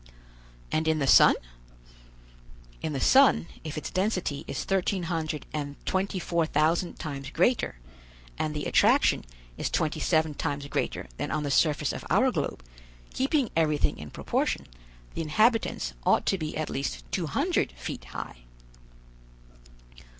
"And in the sun?" "In the sun, if its density is thirteen hundred and twenty four thousand times greater, and the attraction is twenty seven times greater than on the surface of our globe, keeping everything in proportion, the inhabitants ought to be at least two hundred feet high."